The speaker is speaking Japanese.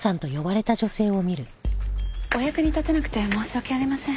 お役に立てなくて申し訳ありません。